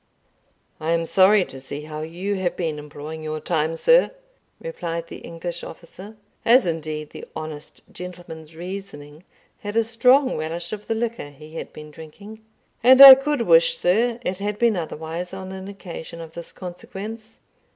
"I am sorry to see how you have been employing your time, sir," replied the English officer as indeed the honest gentleman's reasoning had a strong relish of the liquor he had been drinking "and I could wish, sir, it had been otherwise on an occasion of this consequence.